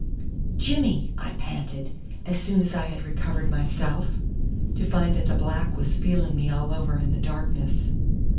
"Jimmy!" I panted, as soon as I had recovered myself to find that the black was feeling me all over in the darkness.